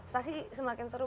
pasti semakin seru